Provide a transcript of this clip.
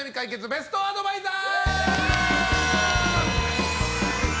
ベストアドバイザー。